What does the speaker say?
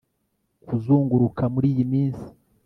kuzunguruka muriyi minsi